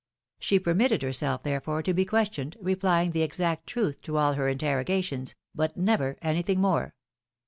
She permitted herself, therefore, to be questioned, re plying the exact truth to all her interrogations, but never anything more.